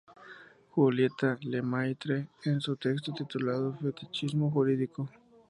Julieta Lemaitre, en su texto titulado "Fetichismo jurídico.